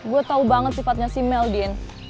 gue tau banget sifatnya si mel din